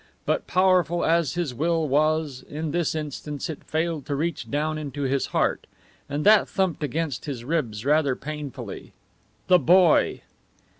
But powerful as his will was, in this instance it failed to reach down into his heart; and that thumped against his ribs rather painfully. The boy!